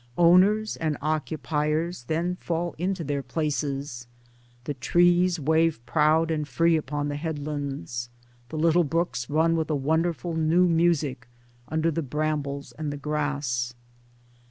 ] Owners and occupiers then fall into their places; the trees wave proud and free upon the headlands; the little 62 Towards Democracy brooks run with a wonderful new music under the brambles and the grass.